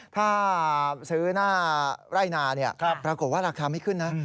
ถ้าซื้อหน้าไร่นาปรากฏว่าราคาไม่ขึ้นนะ